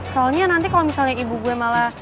soalnya nanti kalau misalnya ibu gue malah